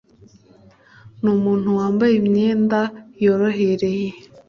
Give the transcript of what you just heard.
Ni umuntu wambaye imyenda yorohereye?